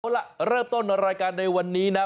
เอาล่ะเริ่มต้นรายการในวันนี้นะ